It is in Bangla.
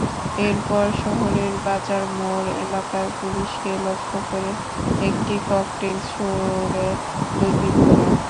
এরপর শহরের বাজার মোড় এলাকায় পুলিশকে লক্ষ্য করে একটি ককটেল ছোড়ে দুর্বৃত্তরা।